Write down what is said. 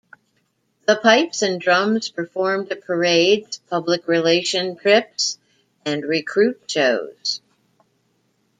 The Pipes and Drums performed at parades, public relation trips and recruit shows.